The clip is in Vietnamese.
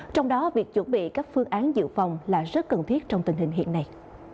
trong đó việc chuẩn bị các phương án dự phòng là rất cần thiết trong tình hình hiện nay